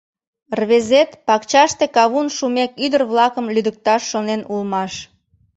Рвезет, пакчаште кавун шумек, ӱдыр-влакым лӱдыкташ шонен улмаш.